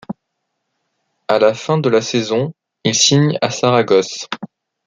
À la fin de la saison, il signe à Saragosse.